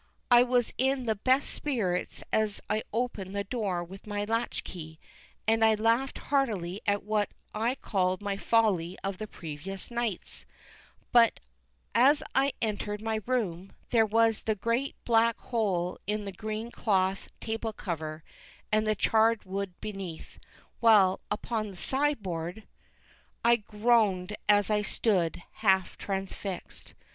I was in the best of spirits as I opened the door with my latchkey, and I laughed heartily at what I called my folly of the previous nights; but, as I entered my room, there was the great black hole in the green cloth table cover, and the charred wood beneath, while, upon the sideboard I groaned as I stood, half transfixed.